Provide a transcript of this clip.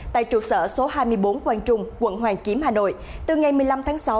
tại trụ sở số hai mươi bốn quang trung quận hoàn kiếm hà nội từ ngày một mươi năm tháng sáu